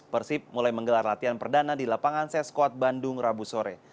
persib mulai menggelar latihan perdana di lapangan seskot bandung rabu sore